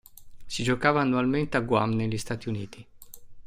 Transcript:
Si giocava annualmente a Guam negli Stati Uniti.